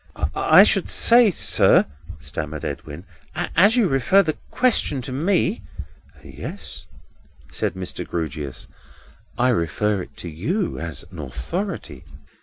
"I should say, sir," stammered Edwin, "as you refer the question to me—" "Yes," said Mr. Grewgious, "I refer it to you, as an authority."